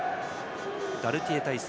ガルティエ体制